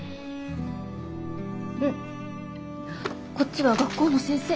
んっこっちは学校の先生。